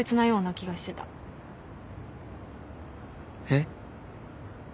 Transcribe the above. えっ？